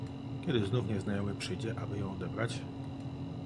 "Kiedy znów nieznajomy przyjdzie, aby ją odebrać?"